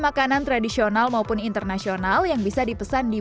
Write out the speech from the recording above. oh dipasangin belan